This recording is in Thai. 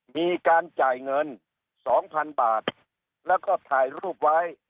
มีการจ่ายเงิน๒๐๐๐บาทแล้วก็ถ่ายรูปไว้